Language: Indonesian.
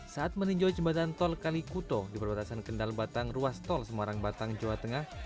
saat meninjau jembatan tol kalikuto di perbatasan kendal batang ruas tol semarang batang jawa tengah